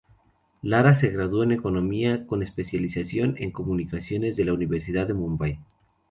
Lara se graduó en economía con especialización en comunicaciones de la Universidad de Mumbai.